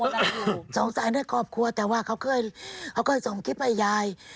สงสารในครอบครัวแต่ว่าเขาเคยเขาเคยส่งคลิปให้ยาย